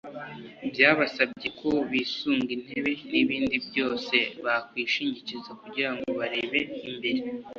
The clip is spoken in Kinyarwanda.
byabasabye ko bisunga intebe n’ibindi byose bakwishingikiriza kugira ngo barebe imbere